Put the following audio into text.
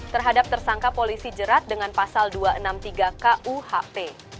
terhadap tersangka polisi jerat dengan pasal dua ratus enam puluh tiga kuhp